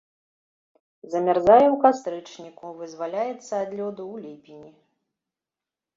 Замярзае ў кастрычніку, вызваляецца ад лёду ў ліпені.